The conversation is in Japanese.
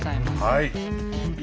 はい。